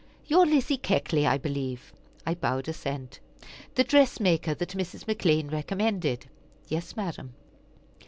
"You are Lizzie Keckley, I believe." I bowed assent. "The dress maker that Mrs. McClean recommended?" "Yes, madam."